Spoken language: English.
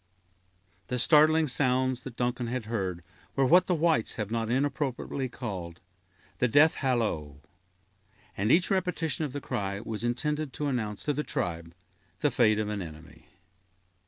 The startling sounds that Duncan had heard were what the whites have not inappropriately called the "death hallo"; and each repetition of the cry was intended to announce to the tribe the fate of an enemy.